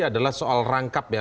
adalah soal rangkap ya